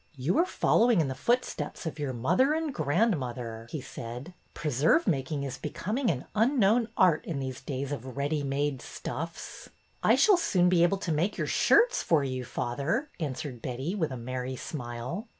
You are following in the footsteps of your mother and grandmother,'' he said. Preserve making is becoming an unknown art in these days of ' ready made ' stuffs." I shall soon be able to make your shirts for you, father," answered Betty, with a merry smile.